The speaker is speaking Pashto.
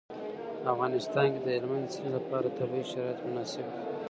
په افغانستان کې د هلمند سیند لپاره طبیعي شرایط مناسب دي.